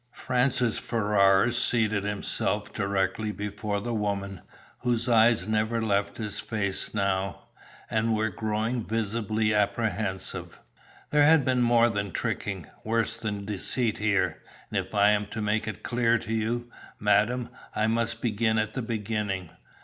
Francis Ferrars seated himself directly before the woman, whose eyes never left his face now, and were growing visibly apprehensive. "There has been more than tricking, worse than deceit here, and if I am to make it clear to you, madam, I must begin at the beginning.